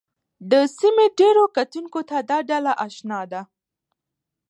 د سیمې ډېرو کتونکو ته دا ډله اشنا ده